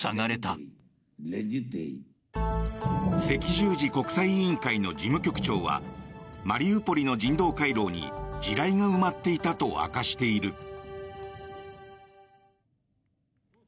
赤十字国際委員会の事務局長はマリウポリの人道回廊に地雷が埋まっていたと明かしている。